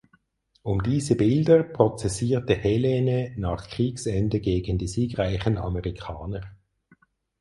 Um diese Bilder prozessierte Helene nach Kriegsende gegen die siegreichen Amerikaner.